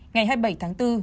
ngày hai mươi bảy tháng bốn